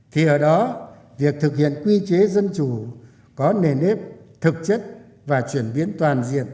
thì ở đó việc thực hiện quy chế dân chủ có nền nếp thực chất và chuyển biến toàn diện